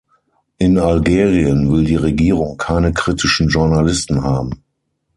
In Algerien will die Regierung keine kritischen Journalisten haben.